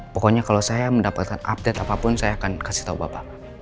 pokoknya kalau saya mendapatkan update apapun saya akan kasih tahu bapak